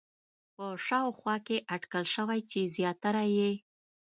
په شاوخوا کې اټکل شوی چې زیاتره یې